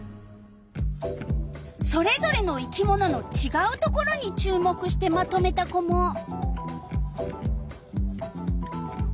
それぞれの生き物のちがうところに注目してまとめた子も。